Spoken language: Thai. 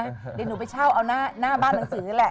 เดี๋ยวหนูไปเช่าเอาหน้าบ้านหนังสือนี่แหละ